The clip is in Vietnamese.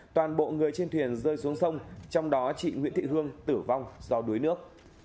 toàn bộ người trên thuyền rơi xuống sông trong đó chị nguyễn thị hương tử vong do đuối nước